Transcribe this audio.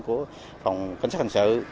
của phòng cảnh sát hành sự